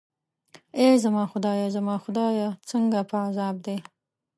ای زما خدایه، زما خدای، څنګه په عذاب دی.